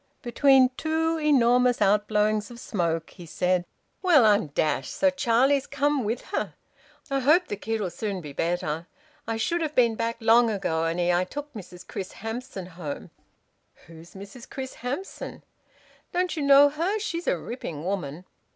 Between two enormous outblowings of smoke he said: "Well, I'm dashed! So Charlie's come with her! I hope the kid'll soon be better... I should have been back long ago, only I took Mrs Chris Hamson home." "Who's Mrs Chris Hamson?" "Don't you know her? She's a ripping woman."